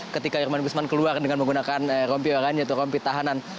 ketika irman gusman keluar dengan menggunakan rompi orang yaitu rompi tahanan